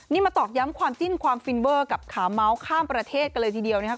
นี่มาตอกย้ำความจิ้นความฟินเวอร์กับขาเมาส์ข้ามประเทศกันเลยทีเดียวนะครับ